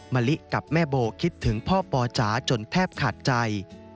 มะลิกับแม่โบคิดถึงพ่อปอจ๋าจนแทบขาดใจ